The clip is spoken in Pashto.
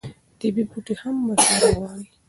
طبیعي بوټي هم مشوره غواړي.